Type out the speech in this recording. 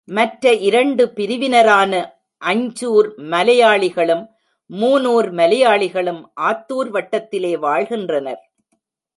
மற்ற இரண்டு பிரிவினரான அஞ்சூர் மலையாளிகளும், மூனூர் மலையாளிகளும் ஆத்தூர் வட்டத்திலே வாழ்கின்றனர்.